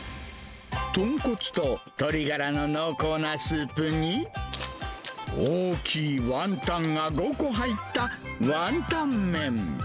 豚骨と鶏ガラの濃厚なスープに、大きいワンタンが５個入ったワンタン麺。